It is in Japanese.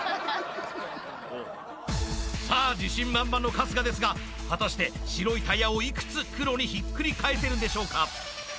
自信満々の春日ですが果たして白いタイヤをいくつ黒にひっくり返せるんでしょうか